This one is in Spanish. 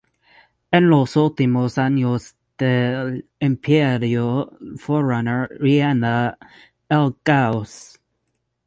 En los últimos años del imperio Forerunner reina el caos.